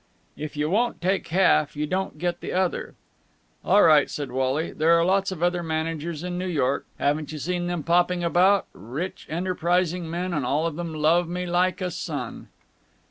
"If you won't take half, you don't get the other." "All right," said Wally. "There are lots of other managers in New York. Haven't you seen them popping about? Rich, enterprising men, and all of them love me like a son."